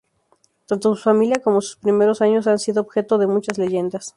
Tanto su familia como sus primeros años han sido objeto de muchas leyendas.